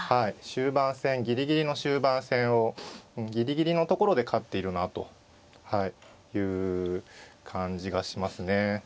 終盤戦ギリギリの終盤戦をギリギリのところで勝っているなという感じがしますね。